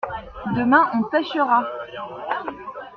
Demain on pêchera.